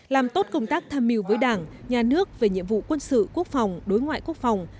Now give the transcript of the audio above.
làm tốt công tác tham mưu với đảng nhà nước về nhiệm vụ quân sự quốc phòng đối ngoại quốc phòng